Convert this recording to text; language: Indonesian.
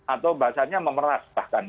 atau bahasanya memeras bahkan